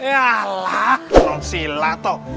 yalah nonsila toh